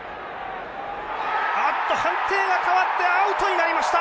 あっと判定が変わってアウトになりました。